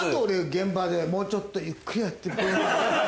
現場で「もうちょっとゆっくりやって」。